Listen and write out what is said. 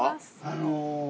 あの。